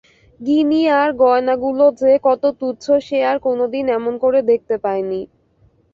গিনি আর গয়নাগুলো যে কত তুচ্ছ সে আর-কোনোদিন এমন করে দেখতে পাই নি।